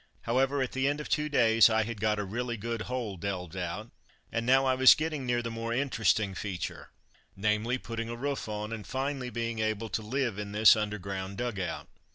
However, at the end of two days, I had got a really good hole delved out, and now I was getting near the more interesting feature, namely, putting a roof on, and finally being able to live in this under ground dug out.